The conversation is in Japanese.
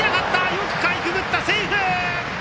よくかいくぐったセーフ。